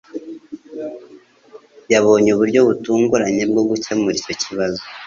Yabonye uburyo butunguranye bwo gukemura icyo kibazo